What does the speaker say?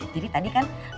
jadi tadi kan